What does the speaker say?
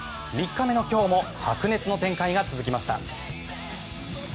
３日目の今日も白熱の展開が続きました。